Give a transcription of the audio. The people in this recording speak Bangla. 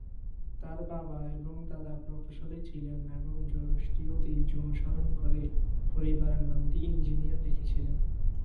তাঁর বাবা এবং দাদা প্রকৌশলী ছিলেন এবং জোরোস্ট্রিয় ঐতিহ্য অনুসরণ করে পরিবারের নামটি "ইঞ্জিনিয়ার" রেখেছিলেন।